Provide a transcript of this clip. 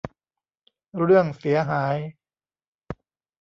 เรื่องเสียหาย